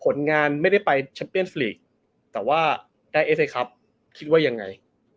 ผลงานไม่ได้ไปแชมเปียนสลีกแต่ว่าได้เอสไอครับคิดว่ายังไง